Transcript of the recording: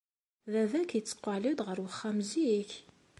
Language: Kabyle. Baba-k yetteqqal-d ɣer uxxam zik?